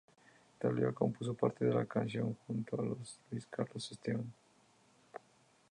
Thalía compuso parte de la canción junto a Luis Carlos Esteban.